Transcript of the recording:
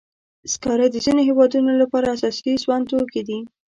سکاره د ځینو هېوادونو لپاره اساسي سون توکي دي.